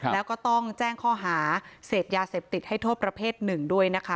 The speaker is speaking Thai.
แล้วก็ต้องแจ้งข้อหาเสพยาเสพติดให้โทษประเภทหนึ่งด้วยนะคะ